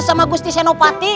sama gusti senopati